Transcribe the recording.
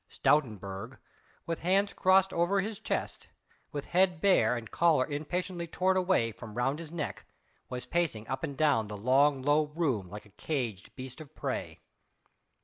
Stoutenburg, with hands crossed over his chest, with head bare and collar impatiently torn away from round his neck, was pacing up and down the long, low room like a caged beast of prey.